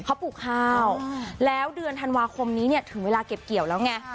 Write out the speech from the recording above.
เขาปลูกข้าวแล้วเดือนธันวาคมนี้เนี่ยถึงเวลาเก็บเกี่ยวแล้วไง